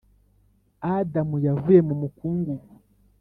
Adamu yavuye mu mukungugu